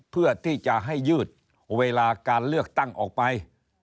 เพื่อที่จะให้ยืดเวลาการเลือกตั้งออกไป